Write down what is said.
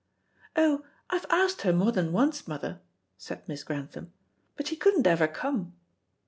"Oh, I've asked her more than once, mother," said Miss Grantham, "but she couldn't ever come."